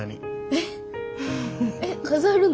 ええっ飾るの？